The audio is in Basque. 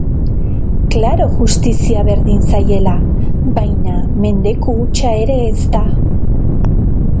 Klaro justizia berdin zaiela, baina mendeku hutsa ere ez da.